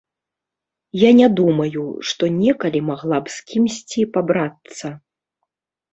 Я не думаю, што некалі магла б з кімсьці пабрацца.